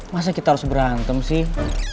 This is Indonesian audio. masa kita harus berantem sih